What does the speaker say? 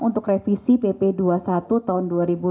untuk revisi pp dua puluh satu tahun dua ribu lima belas